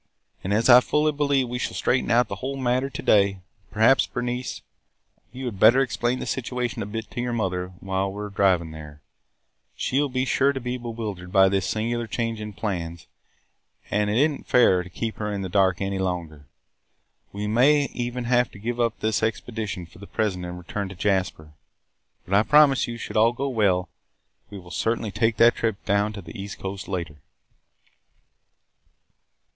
And, as I fully believe we shall straighten out the whole matter to day, perhaps, Bernice, you had better explain the situation a bit to your mother while we are driving there. She will be sure to be bewildered by this singular change in plans and it is n't fair to keep her in the dark any longer. We may even have to give up this expedition for the present and return to Jasper. But, I promise you, should all go well, we will certainly take that trip down the east coast later."